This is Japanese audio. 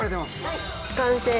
はい完成。